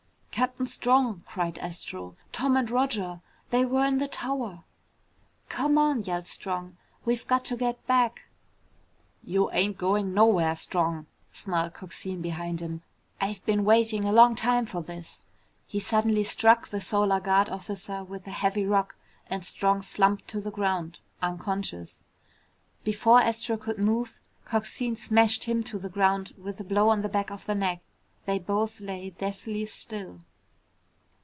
"Captain Strong," cried Astro. "Tom and Roger they were in the tower!" "Come on," yelled Strong, "we've got to get back!" "You ain't going nowhere, Strong," snarled Coxine behind him. "I've been waiting a long time for this!" He suddenly struck the Solar Guard officer with a heavy rock and Strong slumped to the ground unconscious. Before Astro could move, Coxine smashed him to the ground with a blow on the back of the neck. They both lay deathly still.